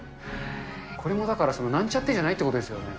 これもだからその、なんちゃってじゃないということですよね。